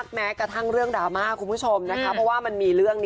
อะไรอย่างเงี้ยคือแบบชื่นใจ